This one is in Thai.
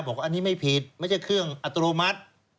บอกว่าอันนี้ไม่ผิดไม่ใช่เครื่องอัตโนมัติ